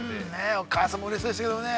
◆お母さんもうれしそうでしたけれどもね。